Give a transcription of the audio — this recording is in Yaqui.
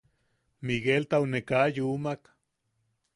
Migueltau ne kaa yumak.